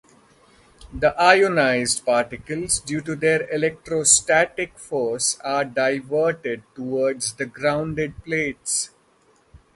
The ionized particles, due to the electrostatic force, are diverted towards the grounded plates.